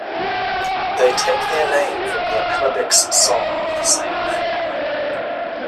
They take their name from the Amebix song of the same name.